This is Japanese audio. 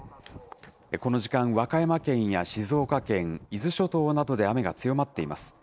この時間、和歌山県や静岡県、伊豆諸島などで雨が強まっています。